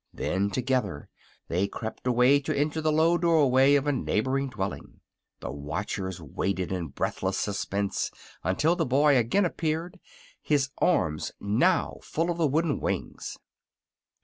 Then together they crept away to enter the low doorway of a neighboring dwelling. The watchers waited in breathless suspense until the boy again appeared, his arms now full of the wooden wings.